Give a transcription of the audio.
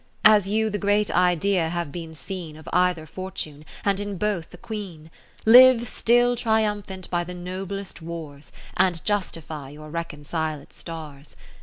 As you the great Idea have been seen Of either fortune, and in both a Queen, Live still triumphant by the noblest wars, And justify your reconciled stars.